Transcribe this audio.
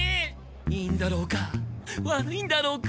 いいんだろうか悪いんだろうか。